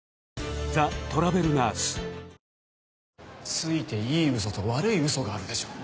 ついていい嘘と悪い嘘があるでしょ。